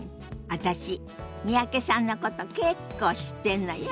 私三宅さんのこと結構知ってんのよ。